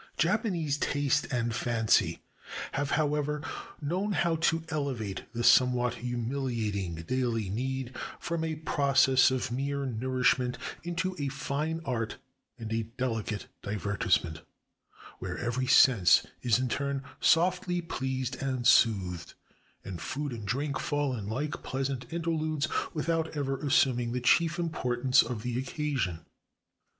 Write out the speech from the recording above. Japanese taste and fancy have, however, known how to elevate this somewhat humihating daily need from a process of mere nourish ment into a fine art and a delicate divertissement, where every sense is in turn softly pleased and soothed, and food and drink fall in like pleasant interludes without ever assuming the chief importance of the occasion.